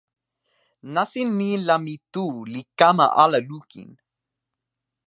nasin ni la mi tu li kama ala lukin.